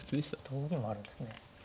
同銀もあるんですね。